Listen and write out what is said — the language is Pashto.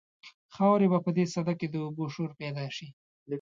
خاورې به په دې سده کې د اوبو شور پیدا شي.